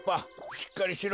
しっかりしろ。